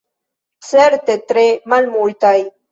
Certe tre malmultaj.